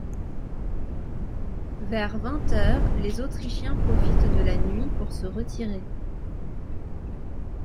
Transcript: Vers vingt heures, les Autrichiens profitent de la nuit pour se retirer.